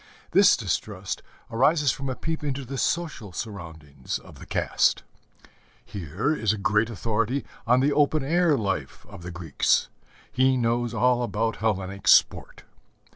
This distrust arises from a peep into the social surroundings of the caste. Here is a great authority on the open air life of the Greeks: he knows all about Hellenic sport.